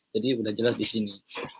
jadi udah jelas di sini